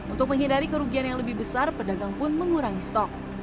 untuk menghindari kerugian yang lebih besar pedagang pun mengurangi stok